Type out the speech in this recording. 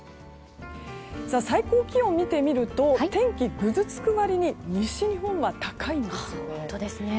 最高気温を見てみると天気、ぐずつく割に西日本は高いんですよね。